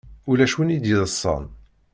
Ulac win i d-yeḍṣan.